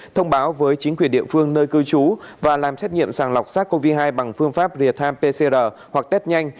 thông báo với chính quyền địa phương nơi cư trú và làm xét nghiệm sars cov hai bằng phương pháp rìa tham pcr hoặc tết nhanh